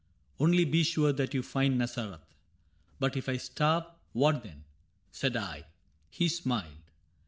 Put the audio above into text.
Only be sure that you find Nazareth.' —* But if I starve — what then ?' said I. — He smiled.